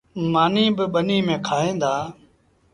مآݩيٚ با ٻنيٚ ميݩ کآُئيٚن دآ۔